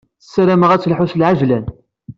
Ssarameɣ ad teḥlu s lɛejlan.